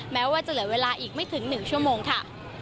แม้ว่าจะเหลือเวลาอีกไม่ถึง๑ชั่วโมงค่ะ